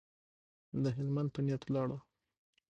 د هلمند په نیت ولاړو.